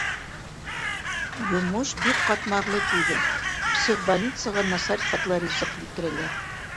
Йомош бик ҡатмарлы түгел: психбольницаға насар сифатлы ризыҡ килтерәләр.